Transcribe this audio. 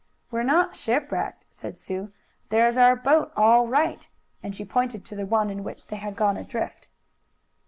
"We're not shipwrecked," said Sue. "There's our boat all right," and she pointed to the one in which they had gone adrift.